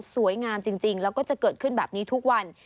สวยงามจริงแล้วก็จะเกิดขึ้นแบบนี้ทุกวัน